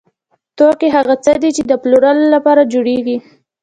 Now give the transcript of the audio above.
توکي هغه څه دي چې د پلورلو لپاره جوړیږي.